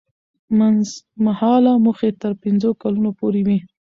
منځمهاله موخې تر پنځو کلونو پورې وي.